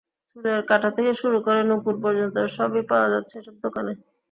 চুলের কাঁটা থেকে শুরু করে নূপুর পর্যন্ত সবই পাওয়া যাচ্ছে এসব দোকানে।